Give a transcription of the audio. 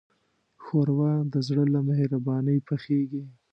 ښوروا د زړه له مهربانۍ پخیږي.